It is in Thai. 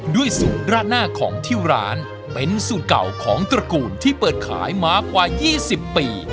สูตรราดหน้าของที่ร้านเป็นสูตรเก่าของตระกูลที่เปิดขายมากว่า๒๐ปี